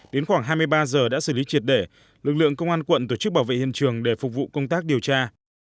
đến khoảng hai mươi ba giờ đã xử lý triệt để lực lượng công an quận tổ chức bảo vệ hiện trường để phục vụ công tác điều tra